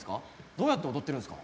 どうやって踊ってるんですか？